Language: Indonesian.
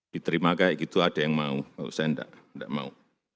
diterima kayak gitu ada yang mau saya enggak mau